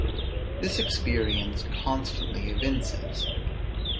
This experience constantly evinces.